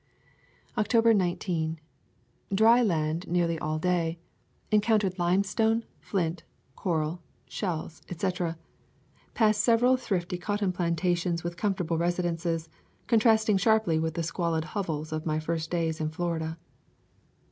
October 19. Dry land nearly all day. Encoun tered limestone, flint, coral, shells, etc. Passed several thrifty cotton plantations with com [ 107 ] A Thousand Mile Walh fortable residences, contrasting sharply with the squalid hovels of my first days in Florida.